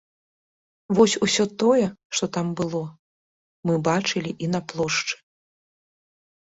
Вось усё тое, што там было, мы бачылі і на плошчы.